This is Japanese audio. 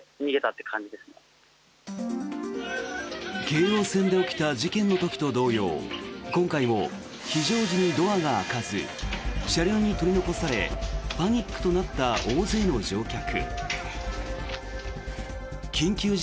京王線で起きた事件の時と同様今回も非常時にドアが開かず車両に取り残されパニックとなった大勢の乗客。